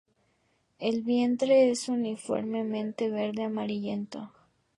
El vientre es uniformemente verde amarillento.